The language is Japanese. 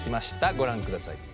ご覧ください。